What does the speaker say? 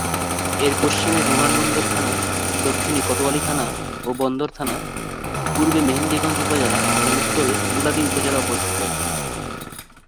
এর পশ্চিমে বিমানবন্দর থানা, দক্ষিণে কোতোয়ালী থানা ও বন্দর থানা, পূর্বে মেহেন্দিগঞ্জ উপজেলা এবং উত্তরে মুলাদী উপজেলা অবস্থিত।